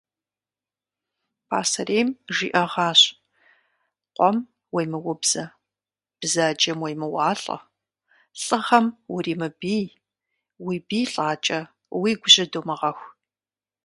Пасэрейм жиӏэгъащ: къуэм уемыубзэ, бзаджэм уемыуалӏэ, лӏыгъэм уримыбий, уи бий лӏакӏэ уигу жьы думыгъэху.